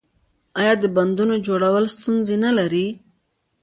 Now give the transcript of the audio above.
آیا د بندونو جوړول ستونزې نلري؟